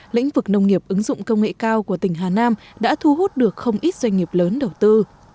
lĩnh vực nông nghiệp ứng dụng công nghệ cao của tỉnh hà nam đã thu hút được không ít doanh nghiệp lớn đầu tư